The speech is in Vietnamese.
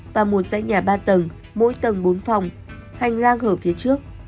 và một dãy nhà ba tầng mỗi tầng bốn phòng hành lang hở phía trước